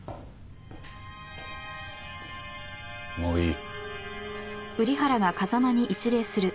もういい。